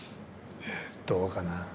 どうかなぁ。